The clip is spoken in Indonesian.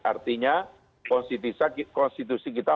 artinya konstitusi kita